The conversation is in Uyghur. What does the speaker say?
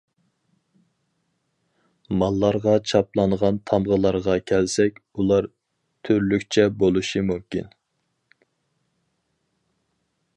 ماللارغا چاپلانغان تامغىلارغا كەلسەك، ئۇلار تۈرلۈكچە بولۇشى مۇمكىن.